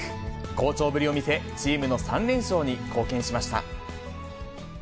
好調ぶりを見せ、チームの３連勝に貢献しました。